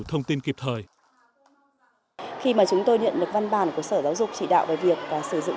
thông tin kịp thời khi mà chúng tôi nhận được văn bản của sở giáo dục chỉ đạo về việc sử dụng